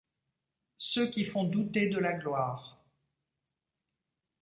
Ceux qui font douter de la gloire